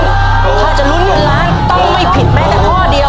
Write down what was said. ถ้าจะลุ้นเงินล้านต้องไม่ผิดแม้แต่ข้อเดียว